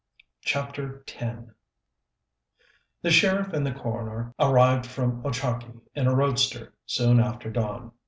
CHAPTER X The sheriff and the coroner arrived from Ochakee in a roadster soon after dawn.